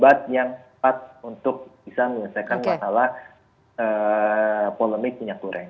obat yang tepat untuk bisa menyelesaikan masalah polemik minyak goreng